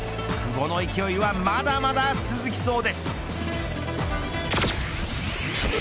この勢いはまだまだ続きそうです。